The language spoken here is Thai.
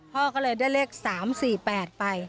พ่อก็เลยได้เลข๓๔๘ไป